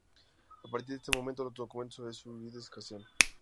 A partir de este momento los documentos sobre su vida escasean.